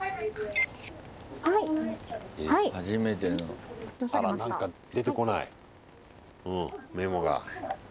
あら何か出てこないメモが。